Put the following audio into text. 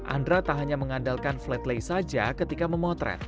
andra tak hanya mengandalkan flat saja ketika memotret